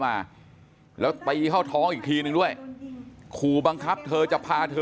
มาแล้วตีเข้าท้องอีกทีนึงด้วยขู่บังคับเธอจะพาเธอ